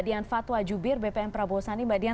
jangan lupa like subscribe dan berlangganan